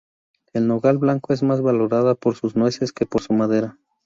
El nogal blanco es más valorada por sus nueces que por su madera.